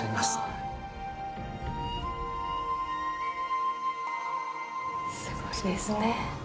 すごいですね。